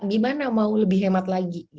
gimana mau lebih hemat lagi